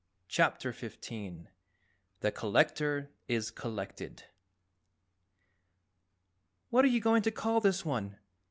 CHAPTER 15 The Collector Is Collected "What are you going to call this one?"